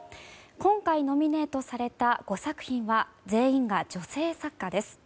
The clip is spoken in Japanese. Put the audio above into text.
今回、ノミネートされた５作品は全員が女性作家です。